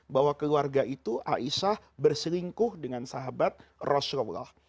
bahwa keluarga itu aisyah berselingkuh dengan sahabat rasulullah